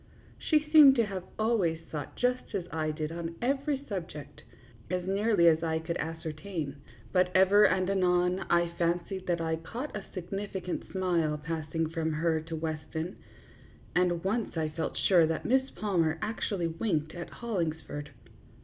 She seemed to have always thought just as I did on every subject, as nearly as I could ascertain; but ever and anon I fancied that I caught a significant smile passing from her to Weston, and once I felt sure that Miss Palmer actually winked at Hollingsford.